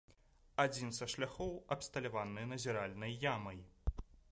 Адзін са шляхоў абсталяваны назіральнай ямай.